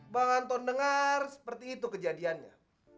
bang anton dengar seperti itu kejadiannya